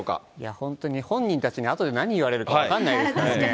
本当に、本人たちにあとで何言われるか分かんないですからね。